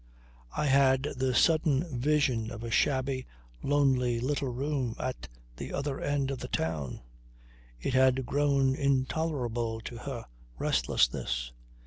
I had the sudden vision of a shabby, lonely little room at the other end of the town. It had grown intolerable to her restlessness.